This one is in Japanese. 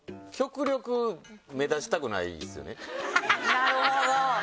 なるほど。